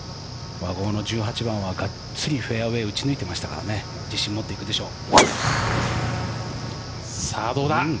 １８番はがっつりフェアウェー打ち抜いていましたから自信を持っていくでしょう。